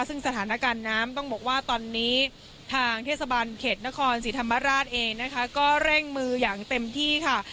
ซึ่งสถานการณ์น้ำต้องบอกว่าตอนนี้ทางเทศบาลเขตนครศรีธรรมราชเองนะคะก็เร่งมืออย่างเต็มที่ค่ะ